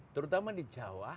terutama di jawa